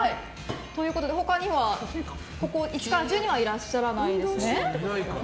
他に、ここには１から１２はいらっしゃらないですね。